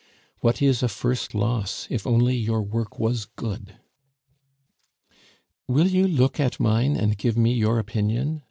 "What is a first loss, if only your work was good?" "Will you look at mine and give me your opinion?"